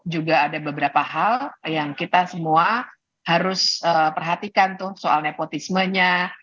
juga ada beberapa hal yang kita semua harus perhatikan tuh soal nepotismenya